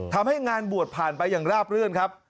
ทำให้งานบวชผ่านไปอย่างราบรื่นครับ